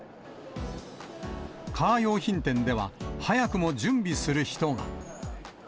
カー用品店では、早くも準備する人が。